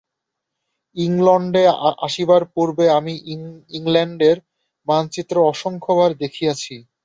ইংলণ্ডে আসিবার পূর্বে আমি ইংলণ্ডের মানচিত্র অসংখ্যবার দেখিয়াছি।